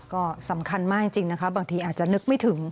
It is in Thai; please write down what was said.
ก็สำคัญมากจริงนะคะบางทีอาจจะนึกไม่ถึง